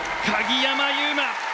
鍵山優真